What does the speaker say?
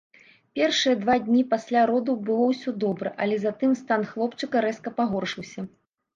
Першыя два дні пасля родаў было ўсё добра, але затым стан хлопчыка рэзка пагоршыўся.